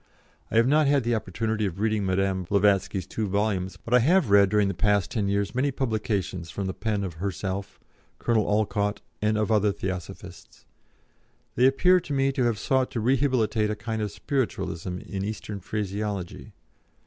I have not had the opportunity of reading Madame Blavatsky's two volumes, but I have read during the past ten years many publications from the pen of herself, Colonel Olcott, and of other Theosophists. They appear to me to have sought to rehabilitate a kind of Spiritualism in Eastern phraseology.